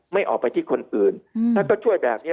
ไม่ออกไปที่คนอื่นท่านก็ช่วยแบบนี้